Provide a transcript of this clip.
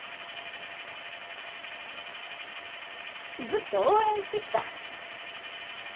ずっと応援してきた。